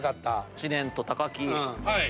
知念と木。